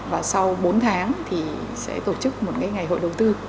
và sau bốn tháng thì sẽ tổ chức một ngày hội đầu tư